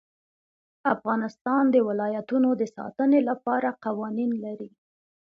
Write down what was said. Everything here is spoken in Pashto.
افغانستان د ولایتونو د ساتنې لپاره قوانین لري.